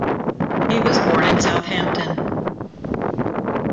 He was born in Southampton.